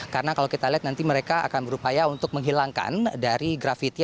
karena kalau kita lihat nanti mereka akan berupaya untuk menghilangkan dari grafiti